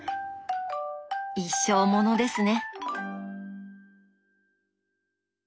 一生ものですね！